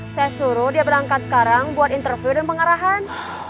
saya suruh dia berangkat sekarang buat interview dan pengarahan